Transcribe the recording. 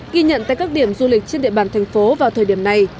ghi nhận tại các điểm du lịch trên địa bàn thành phố vào thời điểm này